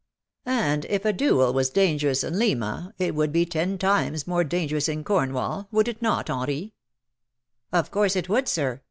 " And if a duel was dangerous in Lima, it would be ten times more dangerous in Cornwall, would it not, Henri?" " Of course it would. Sir.